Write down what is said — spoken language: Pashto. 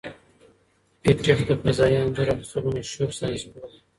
پېټټ د فضايي انځور اخیستلو مشهور ساینسپوه دی.